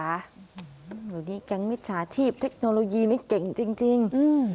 เดี๋ยวนี้แก๊งมิจฉาชีพเทคโนโลยีนี่เก่งจริง